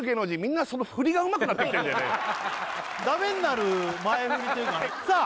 ダメになる前フリというかねさあ